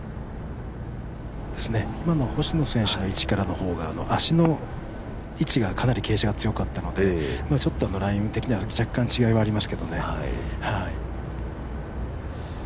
今の星野選手の位置からの方が、かなり傾斜が強かったのでライン的には若干違いがありますけどね。